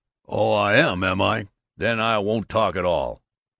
"Oh, I am, am I! Then, I won't talk at all!"